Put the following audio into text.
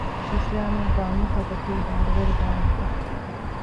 އިސްލާމީ ޤައުމުތަކަކީ ދަނޑުވެރި ޤައުމުތައް